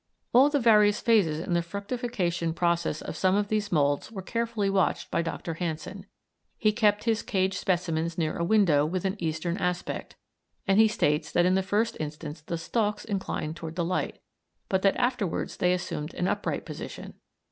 All the various phases in the fructification process of some of these moulds were carefully watched by Dr. Hansen. He kept his caged specimens near a window with an eastern aspect, and he states that in the first instance the stalks inclined towards the light, but that afterwards they assumed an upright position.